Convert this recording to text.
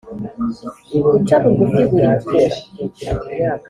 Guca bugufi buri gihe